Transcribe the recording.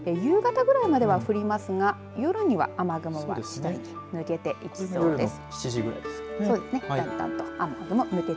夕方くらいまでは降りますが夜には雨雲がすでに抜けていきそうです。